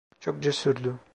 Çok cesurdu.